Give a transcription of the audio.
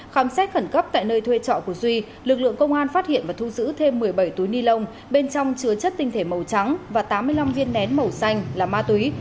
khám xét khẩn cấp tại nơi thuê trọ của duy lực lượng công an phát hiện và thu giữ thêm một mươi bảy túi ni lông bên trong chứa chất tinh thể màu trắng và tám mươi năm viên nén màu xanh là ma túy